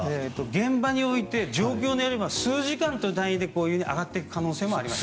現場において状況によれば数時間単位で上がっていく可能性もあります。